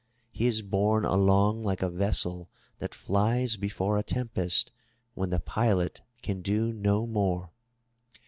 He is borne along like a vessel that flies be fore a tempest, when the pilot can do no more.